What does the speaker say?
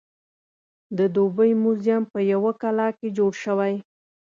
د دوبۍ موزیم په یوه کلا کې جوړ شوی.